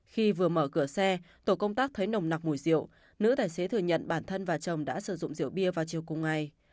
khi vừa mở cửa xe tổ công tác thấy nồng nặc mùi rượu nữ tài xế thừa nhận bản thân và chồng đã sử dụng rượu bia vào chiều cùng ngày